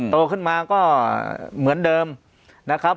โตขึ้นมาก็เหมือนเดิมนะครับ